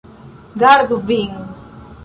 Gardu vin.